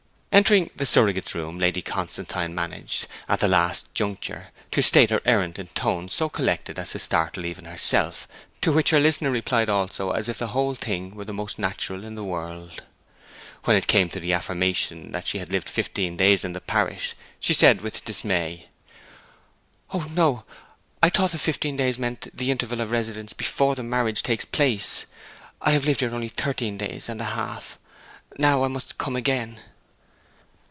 Entering the surrogate's room Lady Constantine managed, at the last juncture, to state her errand in tones so collected as to startle even herself to which her listener replied also as if the whole thing were the most natural in the world. When it came to the affirmation that she had lived fifteen days in the parish, she said with dismay 'O no! I thought the fifteen days meant the interval of residence before the marriage takes place. I have lived here only thirteen days and a half. Now I must come again!'